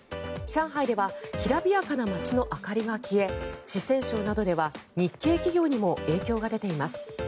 上海ではきらびやかな街の明かりが消え四川省などでは日系企業にも影響が出ています。